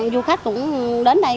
du khách cũng đến đây